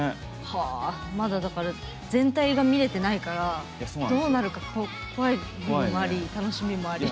まだ、全体が見れてないからどうなるか怖い部分もあり楽しみもあり。